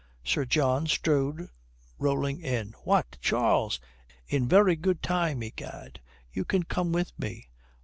Sir John strode rolling in. "What, Charles! In very good time, egad. You can come with me."